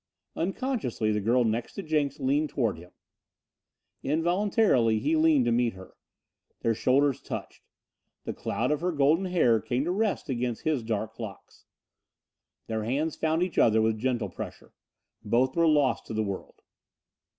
Unconsciously the girl next to Jenks leaned towards him. Involuntarily he leaned to meet her. Their shoulders touched. The cloud of her golden hair came to rest against his dark locks. Their hands found each other with gentle pressure. Both were lost to the world.